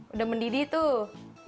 udah mendidih tuh